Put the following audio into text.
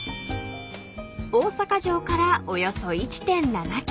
［大阪城からおよそ１．７ｋｍ］